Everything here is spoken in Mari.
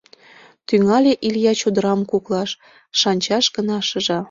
Тӱҥале Илья чодырам куклаш — шанчаш гына шыжа.